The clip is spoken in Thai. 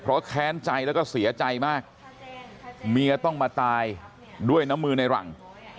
เพราะแค้นใจแล้วก็เสียใจมากเมียต้องมาตายด้วยน้ำมือในหลัง